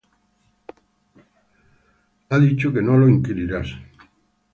En su corazón ha dicho que no lo inquirirás.